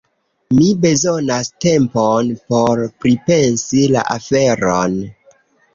Mi bezonas tempon por pripensi la aferon.